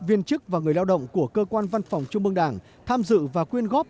viên chức và người lao động của cơ quan văn phòng trung mương đảng tham dự và quyên góp